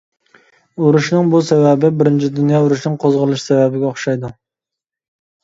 ئۇرۇشنىڭ بۇ سەۋەبى بىرىنچى دۇنيا ئۇرۇشىنىڭ قوزغىلىش سەۋەبىگە ئوخشايدۇ.